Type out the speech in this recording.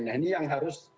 nah ini yang harus